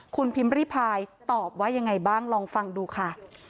คุณพิมพ์ริพายตอบว่ายังไงบ้างลองฟังดูค่ะ